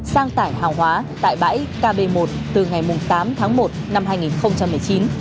sang tải hàng hóa tại bãi kb một từ ngày tám tháng một năm hai nghìn một mươi chín